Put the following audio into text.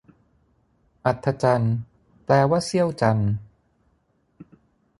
อัฒจันทร์ แปลว่าเสี้ยวจันทร์